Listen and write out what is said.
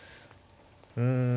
うん。